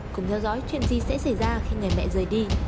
cùng theo dõi chuyện gì sẽ xảy ra khi người mẹ rời đi